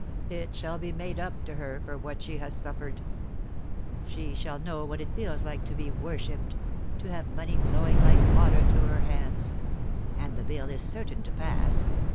... It shall be made up to her for what she has suffered She shall know what it feels like to be worshipped — to have money flowing like water through her hands. ... And the bill is certain to pass.